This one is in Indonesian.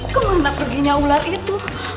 kemana perginya ular itu